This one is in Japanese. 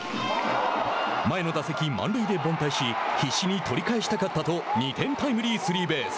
前の打席、満塁で凡退し「必死に取り返したかった」と２点タイムリースリーベース。